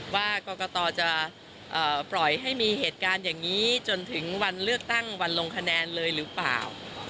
ว่ากรกตจะปล่อยให้มีเหตุการณ์อย่างนี้จนถึงวันเลือกตั้งวันลงคะแนนเลยหรือเปล่า